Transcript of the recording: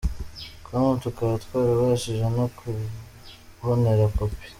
com tukaba twarabashije no kurubonera kopi.